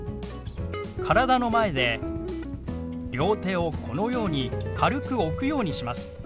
体の前で両手をこのように軽く置くようにします。